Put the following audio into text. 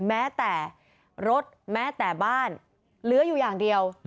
แม้แต่รถแม้แต่บ้านเหลืออยู่อย่างเดียว